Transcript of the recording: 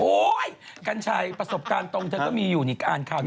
โอ๊ยกัญชัยประสบการณ์ตรงจะก็มีอยู่นิกานข้าวนี้